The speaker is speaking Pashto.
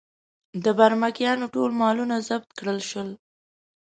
د برمکیانو ټول مالونه ضبط کړل شول.